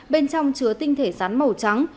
bên trong chứa tinh thể rắn màu trắng